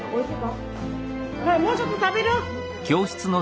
もうちょっと食べる？